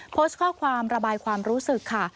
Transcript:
โพสต์ข้อความระบายความรู้สึกค่ะ